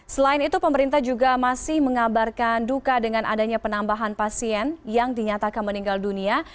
selain itu pemerintah juga masih mengabarkan duka dengan adanya penambahan pasien yang dinyatakan meninggal dunia